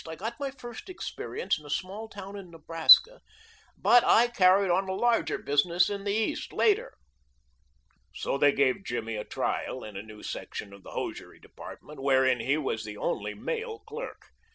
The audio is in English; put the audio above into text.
I got my first experience in a small town in Nebraska, but I carried on a larger business in the East later." So they gave Jimmy a trial in a new section of the hosiery department, wherein he was the only male clerk.